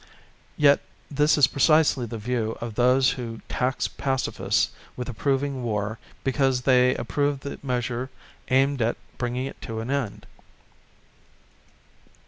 Yet this is precisely the point of view of those who tax Pacifists with approving war because they approve the measure aimed at bringing it to an end.